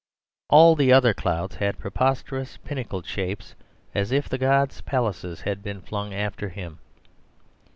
All the other clouds had preposterous pinnacled shapes, as if the god's palaces had been flung after him.